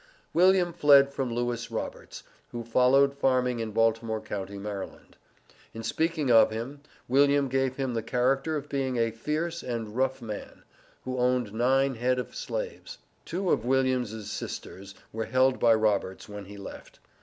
William fled from Lewis Roberts, who followed farming in Baltimore county, Md. In speaking of him, William gave him the character of being a "fierce and rough man," who owned nine head of slaves. Two of William's sisters were held by Roberts, when he left.